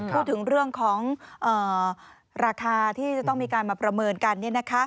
พูดถึงเรื่องของราคาที่จะต้องมีการมาประเมินกัน